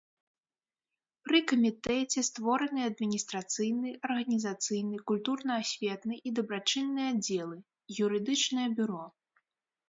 Пры камітэце створаны адміністрацыйны, арганізацыйны, культурна-асветны і дабрачынны аддзелы, юрыдычнае бюро.